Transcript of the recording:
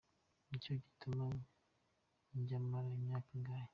Nicyo gituma njya mara imyaka ingahe.